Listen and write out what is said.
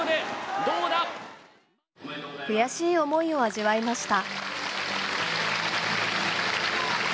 悔しい思いを味わいました。